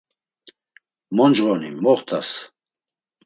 Moncğoni moxtas.